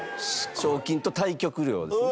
賞金と対局料ですね。